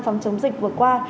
phòng chống dịch vừa qua